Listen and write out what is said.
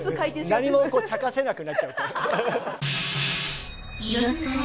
何もちゃかせなくなっちゃうから。